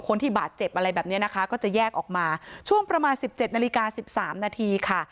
คนที่บาดเจ็บอะไรแบบนี้นะคะก็จะแยกออกมาช่วงประมาณสิบเจ็ดนาฬิกาสิบสามนาทีค่ะ